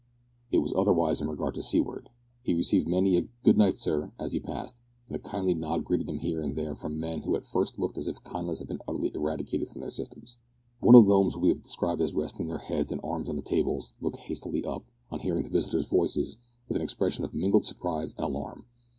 It was otherwise in regard to Seaward. He received many a "good night, sir," as he passed, and a kindly nod greeted him here and there from men who at first looked as if kindness had been utterly eradicated from their systems. One of those whom we have described as resting their heads and arms on the tables, looked hastily up, on hearing the visitors' voices, with an expression of mingled surprise and alarm.